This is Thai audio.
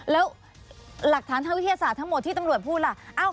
แล้วหลักฐานทางวิทยาศาสตร์ทั้งหมดที่ตำรวจพูดล่ะ